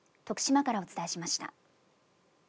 徳島からお伝えしました。